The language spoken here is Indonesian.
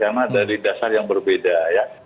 karena dari dasar yang berbeda ya